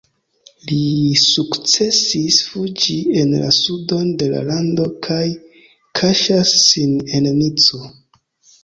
Li sukcesis fuĝi en la sudon de la lando kaj kaŝas sin en Nico.